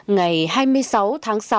ngày hai mươi sáu tháng sáu